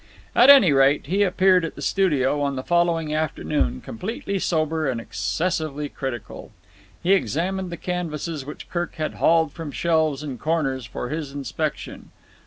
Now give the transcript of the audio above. At any rate, he appeared at the studio on the following afternoon, completely sober and excessively critical. He examined the canvases which Kirk had hauled from shelves and corners for his inspection.